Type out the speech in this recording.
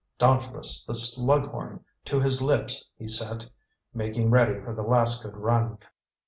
"Dauntless the slughorn to his lips he set " making ready for the last good run.